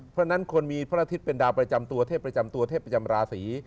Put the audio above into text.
เพราะฉะนั้นคนมีพระอาทิตย์เป็นดาวประจำตัวเทพประจำตัวเทพประจำราศี